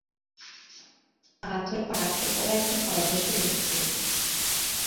পাথরে পা আঁটকে পড়া একটা খরগোশকে দেখেছিলাম।